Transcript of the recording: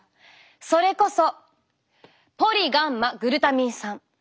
それこそポリガンマグルタミン酸。